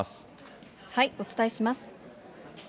お伝えします。